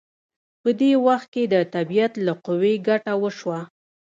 په دې وخت کې د طبیعت له قوې ګټه وشوه.